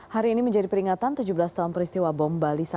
hari ini menjadi peringatan tujuh belas tahun peristiwa bom bali satu